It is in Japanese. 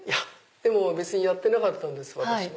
別にやってなかったんです私は。